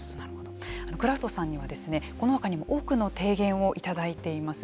クラフトさんにはこのほかにも多くの提言をいただいています。